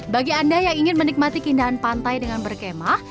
bagi anda yang ingin menikmati keindahan pantai dengan berkemah